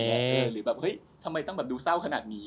หรือแบบเฮ้ยทำไมต้องแบบดูเศร้าขนาดนี้